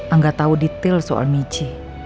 angga tau detail soal mici